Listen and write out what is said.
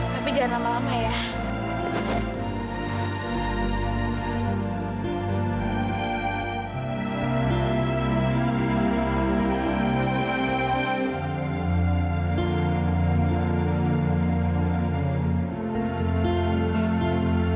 tapi jangan lama lama ya